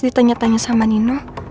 ditanya tanya sama nino